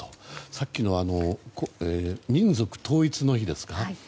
さっきの民族統一の日ですか。